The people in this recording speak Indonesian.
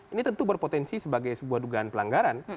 ini tentu berpotensi sebagai sebuah dugaan pelanggaran